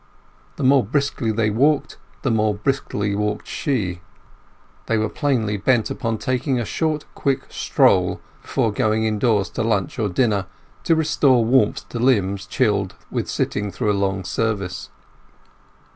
The more briskly they walked, the more briskly walked she. They were plainly bent upon taking a short quick stroll before going indoors to lunch or dinner, to restore warmth to limbs chilled with sitting through a long service.